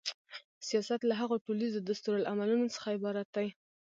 سیاست له هغو ټولیزو دستورالعملونو څخه عبارت دی.